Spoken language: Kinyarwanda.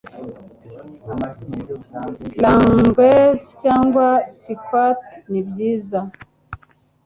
lunges cyangwa squat nibyiza